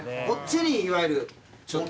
こっちにいわゆる。